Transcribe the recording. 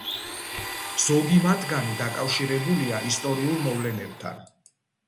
ზოგი მათგანი დაკავშირებულია ისტორიულ მოვლენებთან.